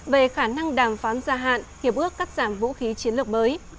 về khả năng đàm phán gia hạn hiệp ước cắt giảm vũ khí chiến lược mới